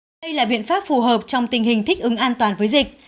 đây là biện pháp phù hợp trong tình hình thích ứng an toàn với dịch